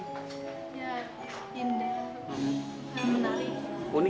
ya indah menarik